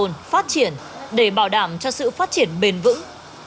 nguồn phát triển để bảo đảm cho sự phát triển bền vững